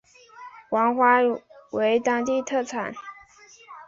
黄花鱼为当地特产。